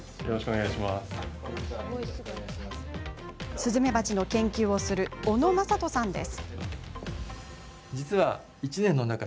スズメバチの研究をしている小野正人さんです。